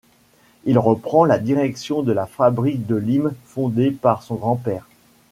Il reprend la direction de la fabrique de limes fondée par son grand-père.